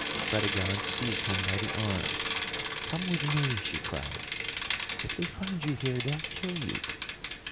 Fredegonde seized him by the arm. "Come with me," she cried. "If they find you here, they'll kill you."